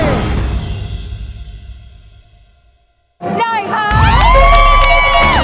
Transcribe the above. สงสารมากจริง